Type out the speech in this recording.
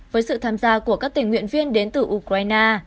với sự tham gia của các tình nguyện viên đến từ ukraine